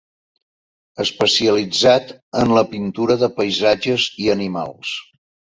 Especialitzat en la pintura de paisatge i animals.